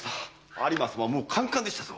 有馬様はカンカンでしたぞ。